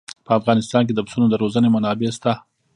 په افغانستان کې د پسونو د روزنې منابع شته.